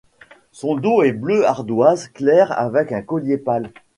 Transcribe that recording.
Son dos est bleu ardoise clair avec un collier pâle.